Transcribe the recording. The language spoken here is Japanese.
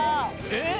えっ！？